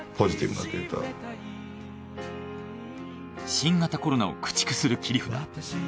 新型コロナを駆逐する切り札。